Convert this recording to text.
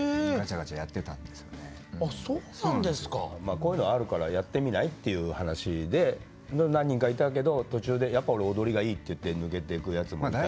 こういうのあるからやってみない？っていう話で何人かいたけど途中でやっぱ俺踊りがいいって言って抜けていくやつもいたり。